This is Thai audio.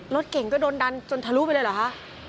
รถเก่งก็โดนดันจนทะลุไปเลยเหรอคะ